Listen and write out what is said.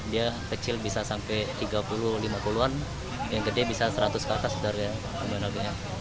dia kecil bisa sampai tiga puluh lima puluh an yang gede bisa seratus ke atas darinya